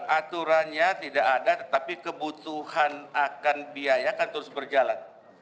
aturannya tidak ada tetapi kebutuhan akan biaya akan terus berjalan